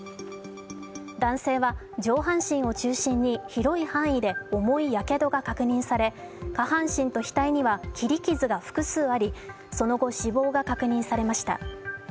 男性は上半身を中心に広い範囲で重いやけどが確認され下半身と額には切り傷が複数あり、その後、死亡が確認されました。